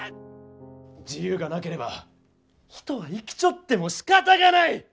自由がなければ人は生きちょってもしかたがない！